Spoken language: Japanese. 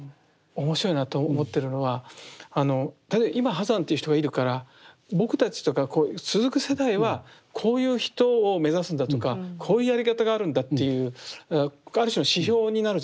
面白いなと思ってるのは今波山っていう人がいるから僕たちとかこういう続く世代はこういう人を目指すんだとかこういうやり方があるんだっていうある種の指標になるじゃないですか。